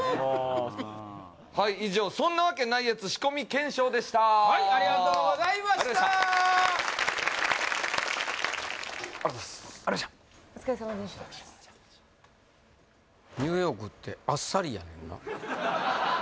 はい以上そんなわけないやつ仕込み検証でしたはいありがとうございましたありがとうございます